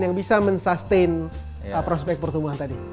yang bisa men sustain prospek pertumbuhan tadi